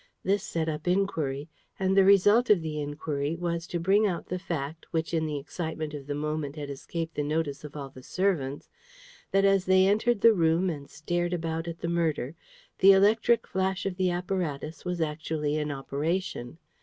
This set up inquiry, and the result of the inquiry was to bring out the fact, which in the excitement of the moment had escaped the notice of all the servants, that as they entered the room and stared about at the murder, the electric flash of the apparatus was actually in operation.